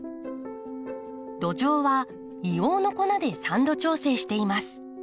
土壌は硫黄の粉で酸度調整しています。